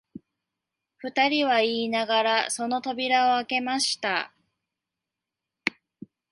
二人は言いながら、その扉をあけました